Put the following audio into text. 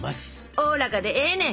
おおらかでええねん！